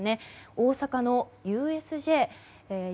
大阪のＵＳＪ。